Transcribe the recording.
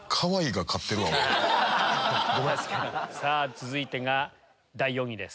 続いてが第４位です。